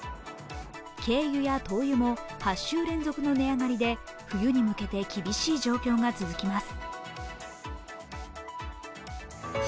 軽油や灯油も８週連続の値上がりで冬に向けて厳しい状況が続きます。